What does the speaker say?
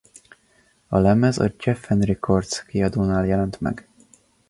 A lemez a Geffen Records kiadónál jelent meg.